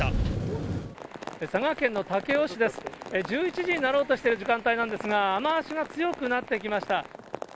１１時になろうとしている時間帯なんですが、雨足が強くなってきました。